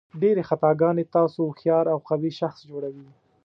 ډېرې خطاګانې تاسو هوښیار او قوي شخص جوړوي.